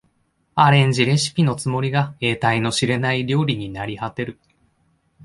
アレンジレシピのつもりが得体の知れない料理になりはてる